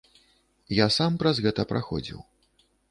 Я сам праз гэта праходзіў.